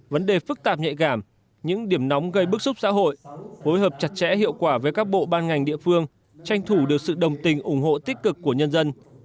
vấn đề phức tạp nhạy cảm những điểm nóng gây bức xúc xã hội phối hợp chặt chẽ hiệu quả với các bộ ban ngành địa phương tranh thủ được sự đồng tình ủng hộ tích cực của nhân dân